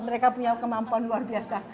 mereka punya kemampuan luar biasa